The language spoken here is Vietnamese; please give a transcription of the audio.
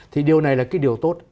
thì điều này là cái điều tốt